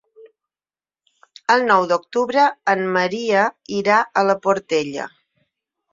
El nou d'octubre en Maria irà a la Portella.